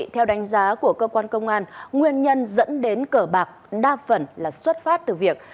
theo đánh giá của cơ quan công an nguyên nhân dẫn đến cờ bạc đa phần là xuất phát từ việc